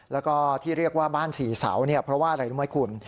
แล้วก็ที่เรียกว่าบ้านสี่เสาเนี่ยเพราะว่าอะไรรู้ไหมคุณ